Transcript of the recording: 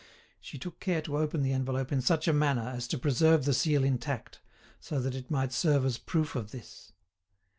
She took care to open the envelope in such a manner as to preserve the seal intact, so that it might serve as proof of this.